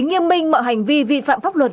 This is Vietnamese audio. nghiêm minh mọi hành vi vi phạm pháp luật